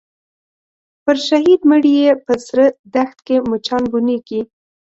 پر شهید مړي یې په سره دښت کي مچان بوڼیږي